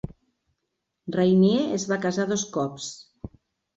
Rainier es va casar dos cops.